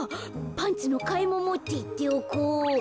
パンツのかえももっていっておこう。